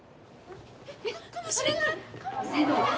・えっかもしれない！